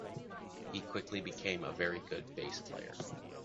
He quickly became a very good bass player.